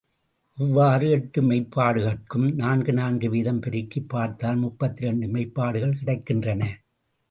இவ்வாறு எட்டு மெய்ப்பாடுகட்கும் நான்கு நான்கு வீதம் பெருக்கிப் பார்த்தால் முப்பத்திரண்டு மெய்ப்பாடுகள் கிடைக்கின்றன.